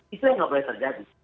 itu yang nggak boleh terjadi